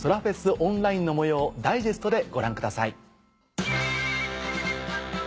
オンラインの模様をダイジェストでご覧ください。